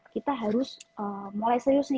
kita harus mulai serius